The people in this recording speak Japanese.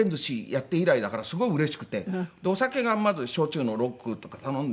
お酒がまず焼酎のロックとか頼んで。